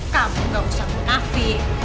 kamu gak usah mengafi